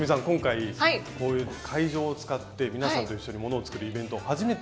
今回こういう会場を使って皆さんと一緒にものを作るイベント